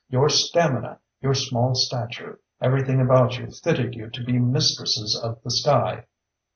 Your stamina, your small stature, everything about you fitted you to be mistresses of the sky....